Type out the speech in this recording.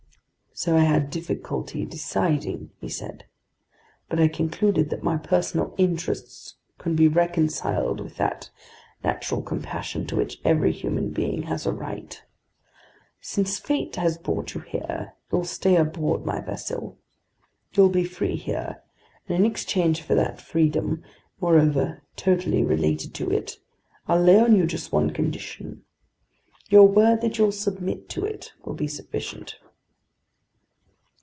"So I had difficulty deciding," he said. "But I concluded that my personal interests could be reconciled with that natural compassion to which every human being has a right. Since fate has brought you here, you'll stay aboard my vessel. You'll be free here, and in exchange for that freedom, moreover totally related to it, I'll lay on you just one condition. Your word that you'll submit to it will be sufficient."